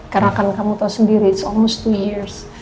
karena kan kamu tahu sendiri it's almost two years